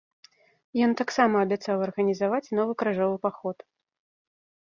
Ён таксама абяцаў арганізаваць новы крыжовы паход.